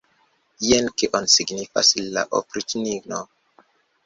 Jen kion signifas la opriĉnino!